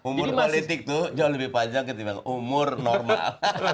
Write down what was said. umur politik itu jauh lebih panjang ketimbang umur normal